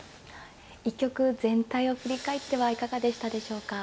一局全体を振り返ってはいかがでしたでしょうか。